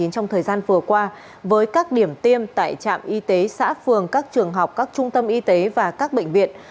trong thời gian vừa qua với các điểm tiêm tại trạm y tế xã phường các trường học các trung tâm y tế và các bệnh viện